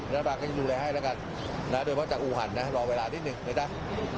ราชบังกับจะดูแลให้ล่ะกันโดยเพราะอูหั่นนะรอเวลานิดนึงเดี๋ยวจัก